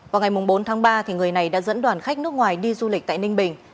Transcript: vào ngày bốn tháng ba người này đã dẫn đoàn khách nước ngoài đi du lịch tại ninh bình